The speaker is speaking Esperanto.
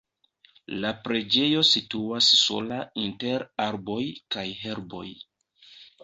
La preĝejo situas sola inter arboj kaj herboj.